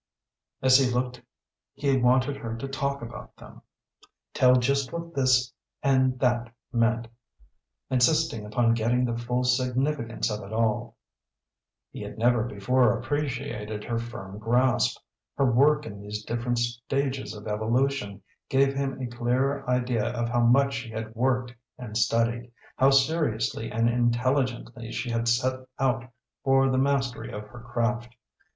As he looked he wanted her to talk about them tell just what this and that meant, insisting upon getting the full significance of it all. He had never before appreciated her firm grasp. Her work in these different stages of evolution gave him a clearer idea of how much she had worked and studied, how seriously and intelligently she had set out for the mastery of her craft.